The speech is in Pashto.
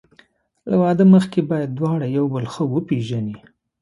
له واده مخکې باید دواړه یو بل ښه وپېژني.